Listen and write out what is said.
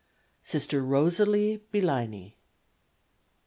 Sister Rosalie Benligny.